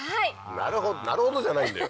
なるほどなるほどじゃないんだよ！